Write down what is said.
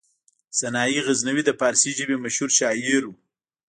سنايي غزنوي د فارسي ژبې مشهور شاعر و.